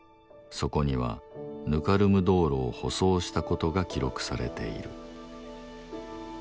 そこにはぬかるむ道路を舗装した事が記録されている。